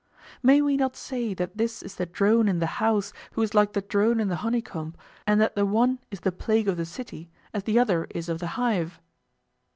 May we not say that this is the drone in the house who is like the drone in the honeycomb, and that the one is the plague of the city as the other is of the hive?